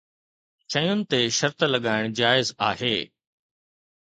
شين تي شرط لڳائڻ جائز آهي.